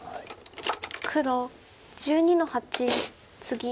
黒１２の八ツギ。